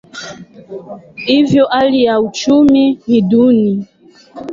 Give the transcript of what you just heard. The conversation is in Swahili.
Hivyo hali ya uchumi ni duni.